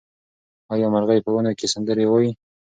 آیا مرغۍ په ونو کې سندرې وايي؟